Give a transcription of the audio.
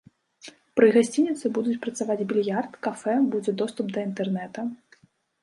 Пры гасцініцы будуць працаваць більярд, кафэ, будзе доступ да інтэрнэта.